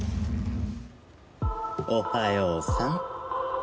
おはようさん。